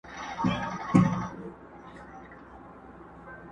پر دوکان بېهوښه ناست لکه لرګی وو،